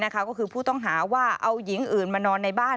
ก็คือผู้ต้องหาว่าเอาหญิงอื่นมานอนในบ้าน